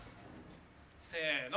せーの。